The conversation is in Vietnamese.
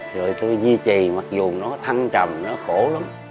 rồi tôi duy trì mặc dù nó thăng trầm nó khổ lắm